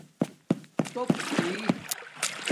تھݸپ ہوئئ